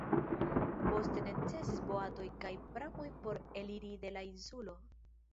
Poste necesis boatoj kaj pramoj por eliri de la insulo.